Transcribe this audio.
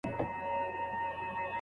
دا ساعت نوی نه دی.